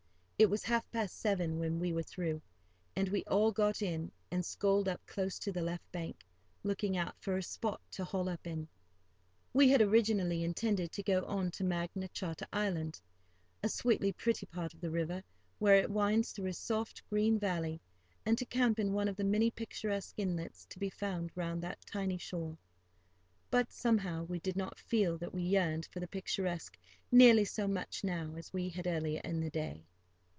It was half past seven when we were through, and we all got in, and sculled up close to the left bank, looking out for a spot to haul up in. We had originally intended to go on to Magna Charta Island, a sweetly pretty part of the river, where it winds through a soft, green valley, and to camp in one of the many picturesque inlets to be found round that tiny shore. But, somehow, we did not feel that we yearned for the picturesque nearly so much now as we had earlier in the day.